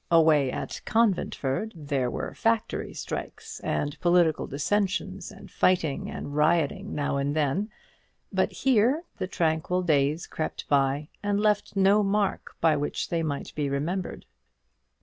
Away at Conventford there were factory strikes, and political dissensions, and fighting and rioting now and then; but here the tranquil days crept by, and left no mark by which they might be remembered.